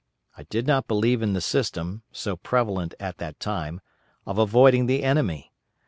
I did not believe in the system, so prevalent at that time, of avoiding the enemy.